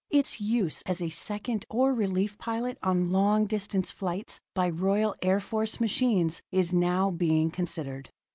Its use as a second or relief pilot on long distance flights by Royal Air Force machines is now being considered.